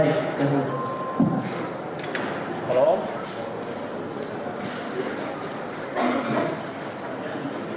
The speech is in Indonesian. baik terima kasih